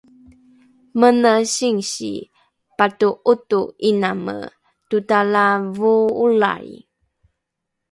mene singsi pato’oto’iname totalavoo’olrai